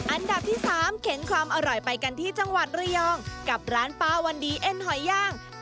อันดับที่๓เข็นความอร่อยไปกันที่จังหวัดรยอง